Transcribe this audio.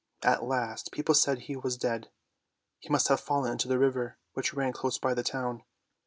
At last, people said he was dead; he must have fallen into the river which ran close by the town.